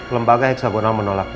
lembaga hexagonal menolaknya